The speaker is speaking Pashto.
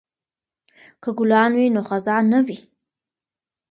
که ګلان وي نو خزان نه وي.